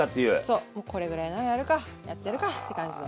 そうもうこれぐらいならやるかやってやるかって感じの。